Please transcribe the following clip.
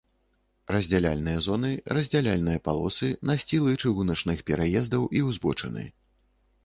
Раздзяляльныя зоны, раздзяляльныя палосы, насцілы чыгуначных пераездаў і ўзбочыны